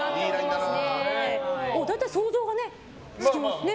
大体、想像がつきますね。